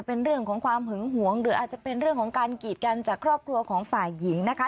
เป็นเรื่องของความหึงหวงหรืออาจจะเป็นเรื่องของการกีดกันจากครอบครัวของฝ่ายหญิงนะคะ